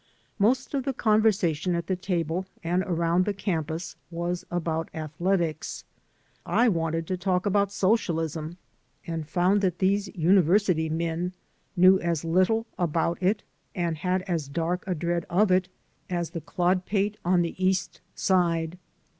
Most of the conversation at the table and around the campus was about athletics. I wanted to talk about socialism, and found that these university men knew as little about it, and had as dark a dread of it, as the 214 i THE AMERICAN AS HE IS clodpate on the East Side.